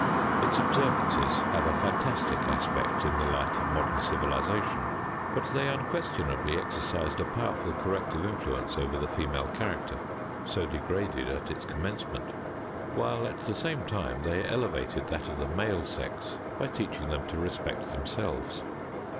Its observances have a fantastic aspect in the light of modern civilization, but they unquestionably exercised a powerful corrective influence over the female character, so degraded at its commencement, while, at the same time, they elevated that of the male sex by teaching them to respect themselves.